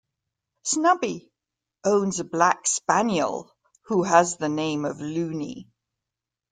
Snubby owns a black spaniel, who has the name of Loony.